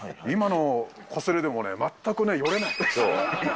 今のこすれでも全くね、よれない。